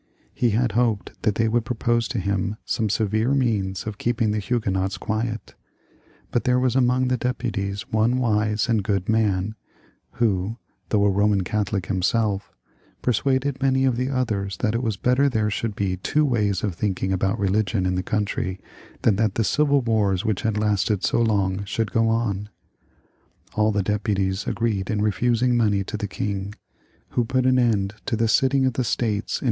He had hoped that they would propose to him some severe means of keeping the Hugue nots quiet ; but there was among the deputies one wise and good man, who, though a Eoman Catholic himself, persuaded many of the others that it was better there should be two ways of thinking about religion in the country than that the civil wars which had lasted so long should go on. All the deputies agreed in refusing money to the king, who put an end to the sitting of the States in 288 HENRY III.